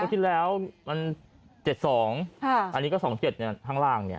มวดที่แล้วมันเจ็ดสองฮะอันนี้ก็สองเจ็ดเนี้ยข้างล่างเนี้ย